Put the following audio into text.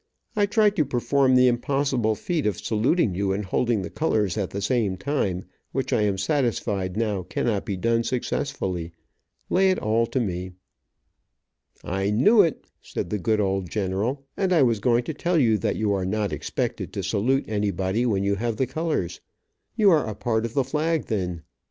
I tried to perform the impossible feat of saluting you and holding the colors at the same time, which I am satisfied now cannot be done successfully. Lay it all to me." "I knew it," said the good old general, "and I was going to tell you that you are not expected to salute anybody when you have the colors. You are a part of the flag, then.